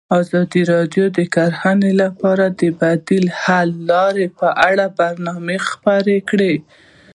ازادي راډیو د کرهنه لپاره د بدیل حل لارې په اړه برنامه خپاره کړې.